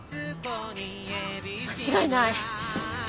間違いない。